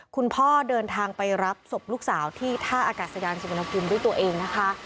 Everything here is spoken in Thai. คุณพ่อเดินทางไปรับศพลูกสาวที่ท่าอากาศยานสุวรรณภูมิด้วยตัวเองนะคะ